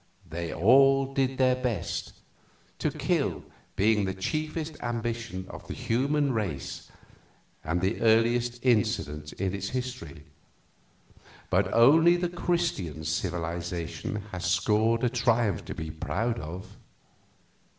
They all did their best to kill being the chiefest ambition of the human race and the earliest incident in its history but only the Christian civilization has scored a triumph to be proud of.